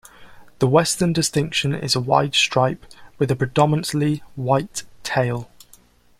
The western distinction is a wide stripe, with a predominantly white tail.